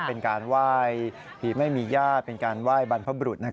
เป็นการไหว้ผีไม่มีญาติเป็นการไหว้บรรพบรุษ